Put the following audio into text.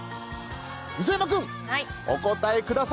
磯山君お答えください。